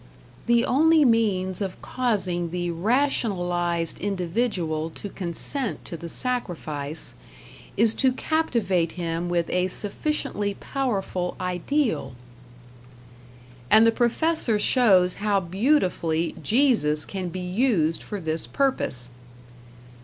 "The only means of causing the rationalized individual to consent to the sacrifice ... is to captivate him with a sufficiently powerful ideal" And the professor shows how beautifully Jesus can be used for this purpose.